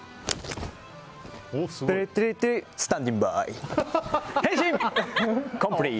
スタンディングバイ。